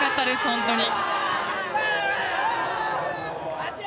本当に。